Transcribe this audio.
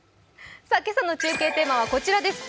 今朝の中継テーマはこちらです。